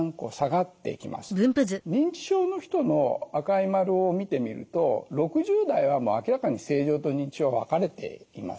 認知症の人の赤い丸を見てみると６０代はもう明らかに正常と認知症が分かれています。